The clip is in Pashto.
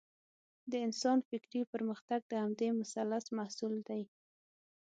د انسان فکري پرمختګ د همدې مثلث محصول دی.